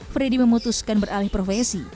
freddy memutuskan beralih profesi